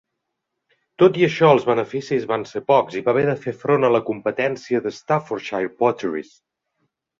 Tot i això, els beneficis van ser pocs i va haver de fer front a la competència de Staffordshire Potteries.